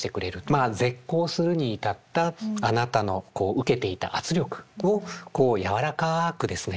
まあ絶交するに至ったあなたの受けていた圧力をやわらかくですね